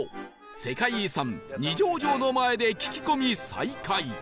世界遺産二条城の前で聞き込み再開